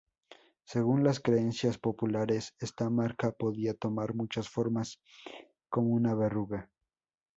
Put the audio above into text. Según las creencias populares, esta marca podía tomar muchas formas, como una verruga.